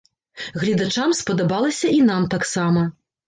Гледачам спадабалася і нам таксама.